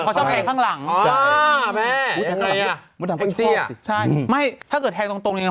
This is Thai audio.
เขาไม่แทงตรง